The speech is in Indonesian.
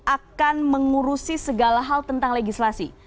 akan mengurusi segala hal tentang legislasi